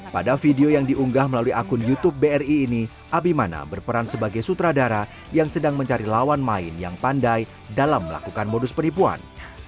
pada video yang diunggah melalui akun youtube bri ini abimana berperan sebagai sutradara yang sedang mencari lawan main yang pandai dalam melakukan modus penipuan